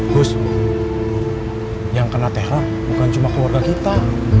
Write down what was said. gus yang kena teroh bukan cuma keluarga kita